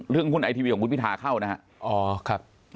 หุ้นไอทีวีของคุณพิทาเข้านะครับ